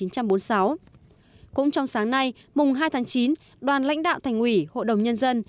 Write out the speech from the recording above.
cũng trong sáng nay mùng hai tháng chín đoàn lãnh đạo thành ủy hội đồng nhân dân